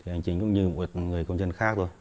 anh chính cũng như một người công nhân khác rồi